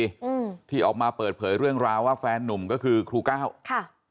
อืมที่ออกมาเปิดเผยเรื่องราวว่าแฟนนุ่มก็คือครูก้าวค่ะ